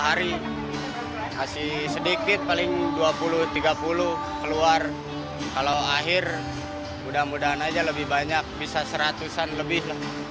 hari kasih sedikit paling dua puluh tiga puluh keluar kalau akhir mudah mudahan aja lebih banyak bisa seratusan lebih